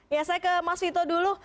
ya saya ke mas vito dulu